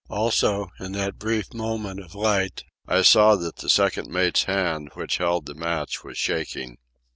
Also, in that brief moment of light, I saw that the second mate's hand which held the match was shaking.